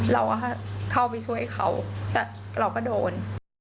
เราก็เข้าไปช่วยเขาแต่เราก็โดน